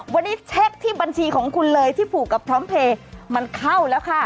วันนี้เช็คที่บัญชีของคุณเลยที่ผูกกับพร้อมเพลย์มันเข้าแล้วค่ะ